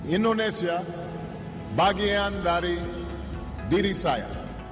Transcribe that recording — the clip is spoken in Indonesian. indonesia bagian dari diri saya